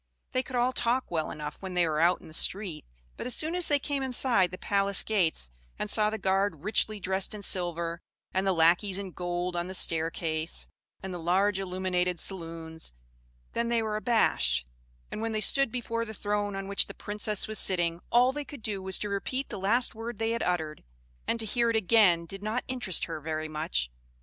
They could all talk well enough when they were out in the street; but as soon as they came inside the palace gates, and saw the guard richly dressed in silver, and the lackeys in gold on the staircase, and the large illuminated saloons, then they were abashed; and when they stood before the throne on which the Princess was sitting, all they could do was to repeat the last word they had uttered, and to hear it again did not interest her very much.